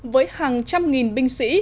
với hàng trăm nghìn binh sĩ